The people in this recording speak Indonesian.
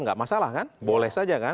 nggak masalah kan boleh saja kan